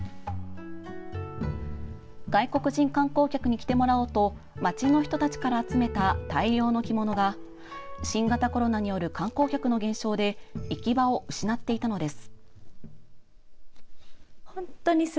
外国人観光客に着てもらおうと町の人たちから集めた大量の着物が新型コロナによる観光客の減少で行き場を失っていたのです。